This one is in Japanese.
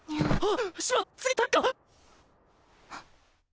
あっ。